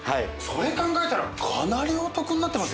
それ考えたらかなりお得になってますよね？